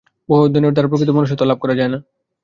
বহু অধ্যয়নের দ্বারা প্রকৃত মনুষ্যত্ব লাভ করা যায় না।